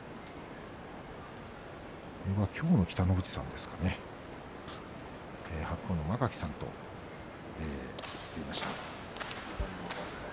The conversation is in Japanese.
きょうの北の富士さんですかね白鵬の間垣さんと写っていました。